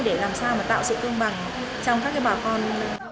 để làm sao mà tạo sự công bằng trong các bà con